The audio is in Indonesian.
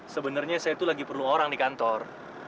sebenernya saya tuh lagi perlu orang di kantor